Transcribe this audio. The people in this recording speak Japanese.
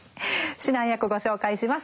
指南役ご紹介します。